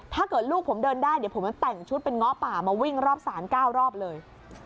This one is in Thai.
ถ้าเกิดลูกผมเดินได้เดี๋ยวผมจะแต่งชุดเป็นเงาะป่ามาวิ่งรอบศาล๙รอบเลย